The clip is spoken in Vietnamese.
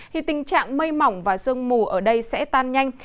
thì tình trạng mây mỏng và sương mù ở đây sẽ tan nhanh